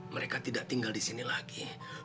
mereka tidak tinggal di sini lagi